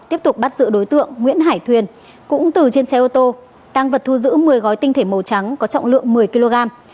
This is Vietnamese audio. tiếp tục bắt giữ đối tượng nguyễn hải thuyền cũng từ trên xe ô tô tăng vật thu giữ một mươi gói tinh thể màu trắng có trọng lượng một mươi kg